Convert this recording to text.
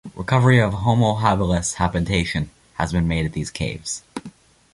Recovery of "Homo habilis" habitation has been made at these caves.